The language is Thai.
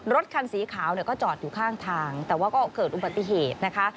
รถคันสีขาวเนี่ยก็จอดอยู่ข้างทางแต่ว่าก็เกิดอุบัติเหตุนะคะ